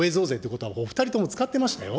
ことばお２人とも使ってましたよ。